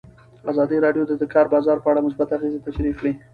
ازادي راډیو د د کار بازار په اړه مثبت اغېزې تشریح کړي.